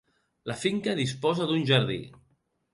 La finca disposa d'un jardí.